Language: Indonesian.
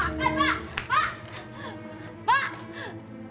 ya allah tega banget